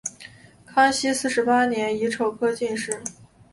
康熙四十八年己丑科进士。